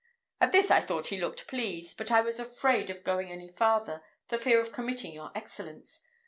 At this I thought he looked pleased; but I was afraid of going any farther, for fear of committing your Excellence.